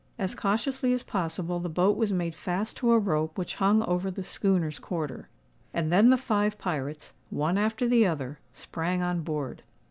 As cautiously as possible the boat was made fast to a rope which hung over the schooner's quarter; and then the five pirates, one after the other, sprang on board.